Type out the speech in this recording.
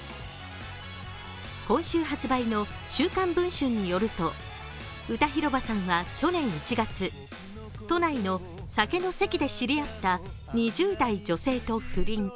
今週発売の「週刊文春」によると歌広場さんは去年１月、都内の酒の席で知り合った２０代女性と不倫。